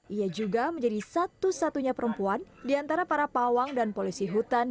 ia juga menjadi satu satunya perempuan di antara para pawang dan polisi hutan